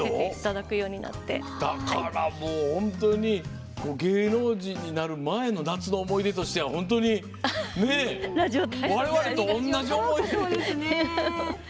だから、本当に芸能人になる前の「夏の思い出」としては本当に我々と同じ思いを。